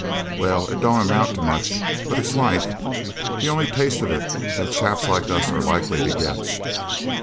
Well, it don't amount to much, but it's life the only taste of it that chaps like us are likely to get.